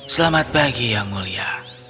selamat pagi yang mulia